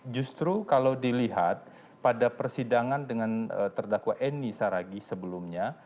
justru kalau dilihat pada persidangan dengan terdakwa eni saragih sebelumnya